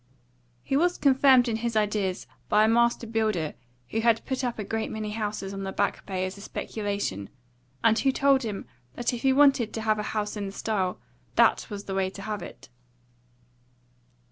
He was confirmed in his ideas by a master builder who had put up a great many houses on the Back Bay as a speculation, and who told him that if he wanted to have a house in the style, that was the way to have it.